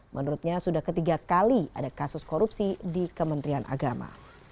menurutnya sudah ketiga kali ada kasus korupsi di kementerian agama